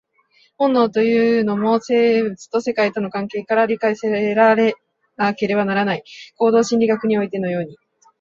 本能というのも、生物と世界との関係から理解せられなければならない、行動心理学においてのように。